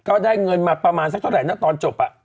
ได้เงินมาประมาณสักเท่าไหร่นะตอนจบ